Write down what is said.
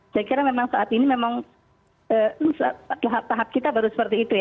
saya kira memang saat ini memang tahap kita baru seperti itu ya